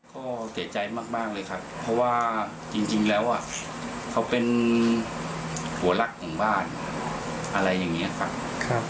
ก็เสียใจมากเลยครับเพราะว่าจริงแล้วเขาเป็นหัวรักของบ้านอะไรอย่างนี้ครับ